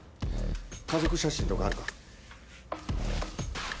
家族写真とかあるか？